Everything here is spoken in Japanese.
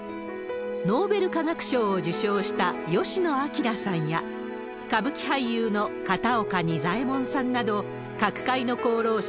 ノーベル化学賞を受賞した吉野彰さんや、歌舞伎俳優の片岡仁左衛門さんなど、各界の功労者